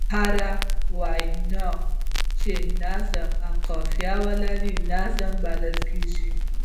هره وينا چي وزن او قافیه ولري؛ نظم بلل کېږي.